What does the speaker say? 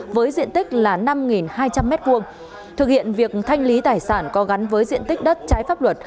với diện tích là năm hai trăm linh m hai thực hiện việc thanh lý tài sản có gắn với diện tích đất trái pháp luật